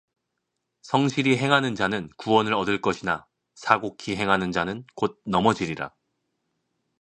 성실히 행하는 자는 구원을 얻을 것이나 사곡히 행하는 자는 곧 넘어지리라